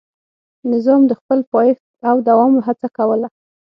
نظام د خپل پایښت او دوام هڅه کوله.